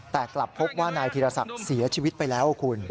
แต่กลับพบว่านายธีรศักดิ์เสียชีวิตไปแล้วคุณ